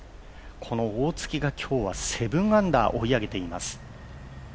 この大槻が今日は７アンダー追い上げています。